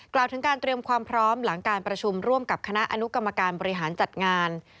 กล่าวถึงการเตรียมความพร้อมหลังการประชุมร่วมกับคณะอนุกรรมการบริหารจัดงาน